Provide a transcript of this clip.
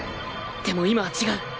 でも今は違う！